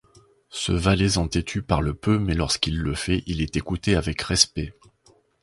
Ce Valaisan têtu parle peu mais lorsqu’il le fait, il est écouté avec respect.